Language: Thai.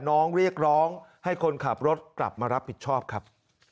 น้องเรียกร้องให้คนขับรถกลับมารับผิดชอบครับ